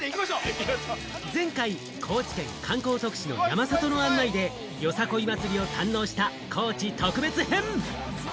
前回、高知県観光大使の山里の案内で、よさこい祭りを堪能した高知特別編。